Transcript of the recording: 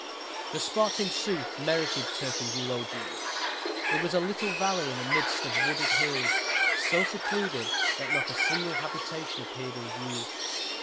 The spot, in sooth, merited Turpin's eulogium. It was a little valley, in the midst of wooded hills, so secluded, that not a single habitation appeared in view.